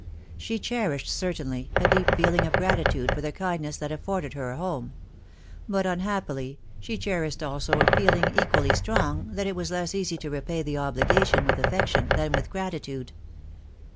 She cherished, certainly, a deep feeling of gratitude for the kindness that afforded her a home ; but, unhappily, she cherished also a feeling equally strong, that it was less easy to repay the obligation with affection than with gratitude.